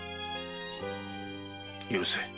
許せ。